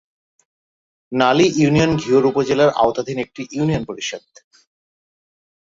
নালী union Ghior উপজেলার আওতাধীন একটি ইউনিয়ন পরিষদ।